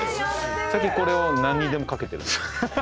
最近これを何にでも掛けてる。